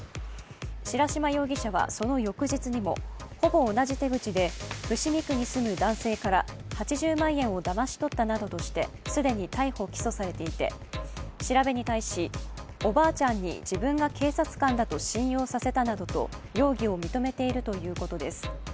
白島容疑者はその翌日にもほぼ同じ手口で伏見区に住む男性から８０万円をだまし取ったなどとして既に逮捕・起訴されていて調べに対しおばあちゃんに自分が警察官だと信用させたなどと容疑を認めているということです。